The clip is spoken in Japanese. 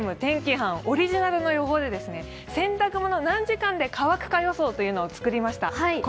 班オリジナルの予想で洗濯物、何時間で乾くか予想というのを作りました。